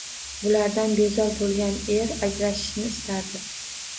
Bulardan bezor bo`lgan er ajrashishni istardi